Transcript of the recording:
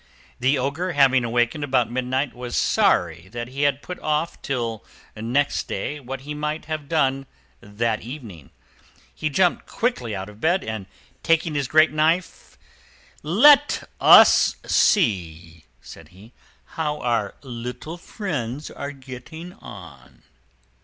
The Ogre, having awakened about midnight, was sorry that he had put off till next day what he might have done that evening. He jumped quickly out of bed, and, taking his great knife, "Let us see," said he, "how our little friends are getting on."